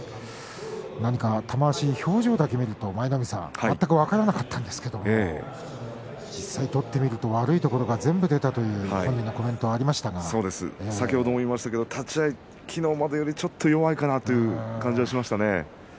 何か玉鷲、表情だけ見ると全く分からなかったんですけれど実際取ってみると悪いところは全部出たという本人のコメントが立ち合い昨日までよりちょっと弱いかなという感じがありましたね。